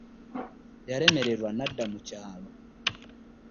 Yalemererwa nadda mu kyalo.